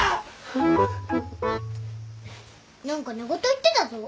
何か寝言言ってたぞ。